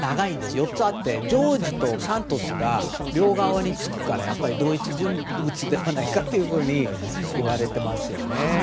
４つあってジョージとサントスが両側につくから同一人物ではないかといわれていますよね。